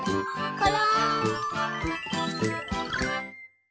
これ！